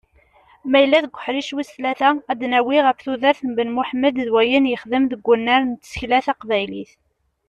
Ma yella deg uḥric wis tlata, ad d-nawwi ɣef tudert n Ben Muḥemmed d wayen yexdem deg wunar n tsekla taqbaylit.